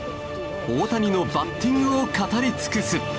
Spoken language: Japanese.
大谷のバッティングを語り尽くす。